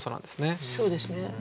そうですね。